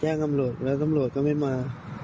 แจ้งน้ำโหลดแล้วน้ำโหลดก็ไม่มา